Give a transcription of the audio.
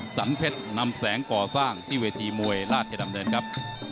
สันเพชรนำแสงก่อสร้างที่เวทีมวยราชดำเนินครับ